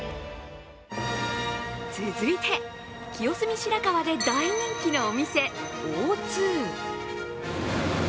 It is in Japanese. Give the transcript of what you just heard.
続いて、清澄白河で大人気のお店、Ｏ２。